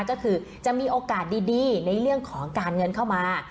ก็คือจะมีโอกาสดีในเรื่องของการเงินเข้ามา